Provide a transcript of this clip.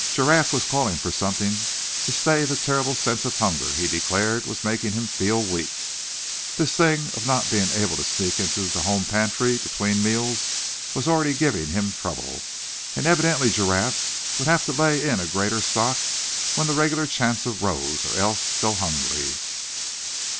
Giraffe was calling for something to stay the terrible sense of hunger he declared was making him feel weak. This thing of not being able to sneak into the home pantry between meals was already giving him trouble; and evidently Giraffe would have to lay in a greater stock when the regular chance arose, or else go hungry.